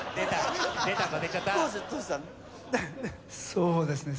そうですね